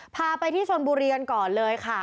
พาไปที่ชนบุรีกันก่อนเลยค่ะ